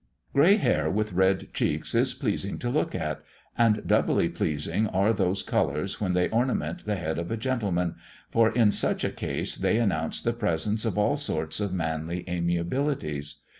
Grey hair, with red cheeks, is pleasing to look at; and doubly pleasing are those colours when they ornament the head of a gentleman, for in such a case they announce the presence of all sorts of manly amiabilities.